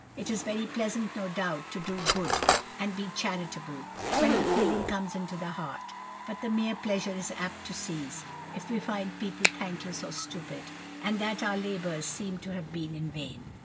It is very pleasant, no doubt, to do good, and be charitable, when the feeling comes into the heart, but the mere pleasure is apt to cease, if we find people thankless or stupid, and that our labours seem to have been in vain.